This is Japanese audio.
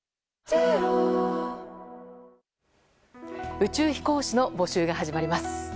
宇宙飛行士の募集が始まります。